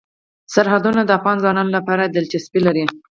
سرحدونه د افغان ځوانانو لپاره دلچسپي لري.